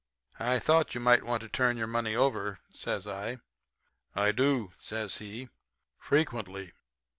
"'I thought you might want to turn your money over,' says I. "'I do,' says he, 'frequently.